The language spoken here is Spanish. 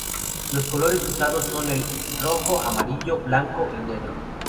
Los colores usados son el rojo, amarillo, blanco y negro.